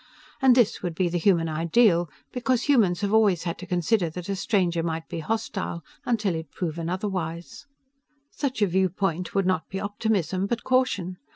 And this would be the human ideal because humans have always had to consider that a stranger might be hostile, until he'd proven otherwise. Such a viewpoint would not be optimism, but caution.